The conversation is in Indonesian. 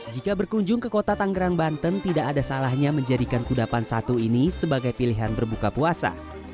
jika berkunjung ke kota tanggerang banten tidak ada salahnya menjadikan kudapan satu ini sebagai pilihan berbuka puasa